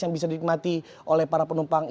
yang bisa dinikmati oleh para penumpang